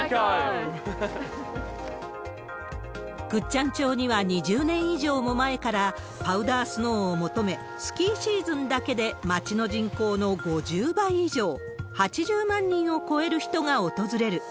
倶知安町には２０年以上も前から、パウダースノーを求め、スキーシーズンだけで町の人口の５０倍以上、８０万人を超える人が訪れる。